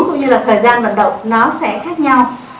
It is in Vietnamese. cũng như là thời gian hoạt động nó sẽ khác nhau